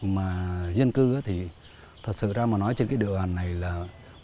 mà dân cư thì thật sự ra mà nói trên cái đường này là mười tỷ người